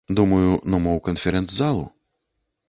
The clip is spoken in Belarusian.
Думаю, ну мо ў канферэнц-залу.